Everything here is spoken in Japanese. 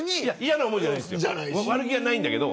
悪気はないんだけど。